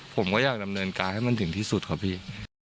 ผมก็อยากดำเนินการให้มันถึงที่สุดครับพี่